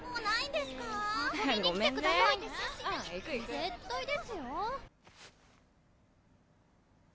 絶対ですよ。